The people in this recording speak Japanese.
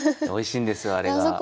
おいしいんですよあれが。